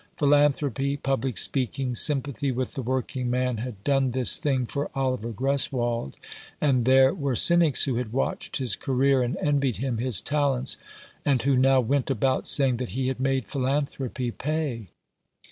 Philanthropy, public speaking, sympathy with the working man had 303 Rough Justice. done this thing for Oliver Greswold ; and there were cynics who had watched his career and envied him his talents, and who now went about saying that he had made philanthropy pay.